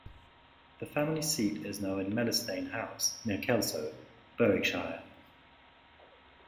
The family seat now is Mellerstain House, near Kelso, Berwickshire.